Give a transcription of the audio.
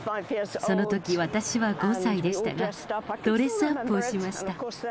そのとき、私は５歳でしたが、ドレスアップをしました。